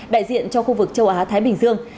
đại diện cho khu vực châu á thái bình dương